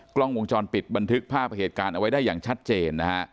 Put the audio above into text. กล้องวงจรปิดบันทึกภาพเหตุการณ์เอาไว้ได้อย่างชัดเจนนะฮะ